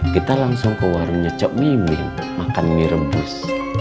kita langsung ke warungnya cok mimim makan mie rebus